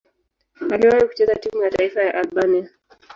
Aliwahi kucheza timu ya taifa ya Albania.